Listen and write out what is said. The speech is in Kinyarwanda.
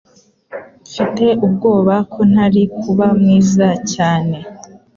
Mfite ubwoba ko ntari kuba mwiza cyane